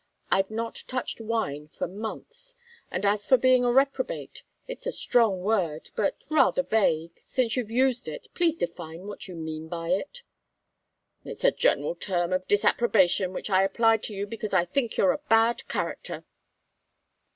I've not touched wine for months, and as for being a reprobate it's a strong word, but rather vague. Since you've used it, please define what you mean by it." "It's a general term of disapprobation which I applied to you because I think you're a bad character."